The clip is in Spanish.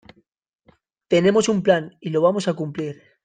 tenemos un plan y lo vamos a cumplir.